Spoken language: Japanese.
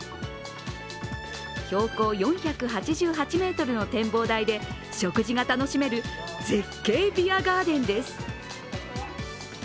標高４８８ｍの展望台で食事が楽しめる絶景ビアガーデンです。